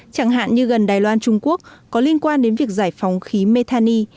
chẳng hạn như gần đài loan trung quốc có liên quan đến việc giải phóng khí methani